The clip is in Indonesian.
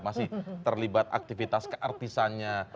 masih terlibat aktivitas keartisannya